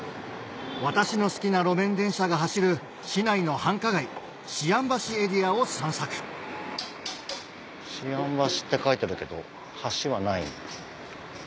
私の好きな路面電車が走る市内の繁華街思案橋エリアを散策「思案橋」って書いてあるけど橋はない。